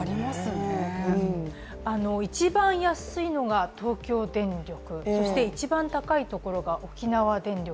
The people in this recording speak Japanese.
一番安いのが東京電力、そして一番高いところが沖縄電力。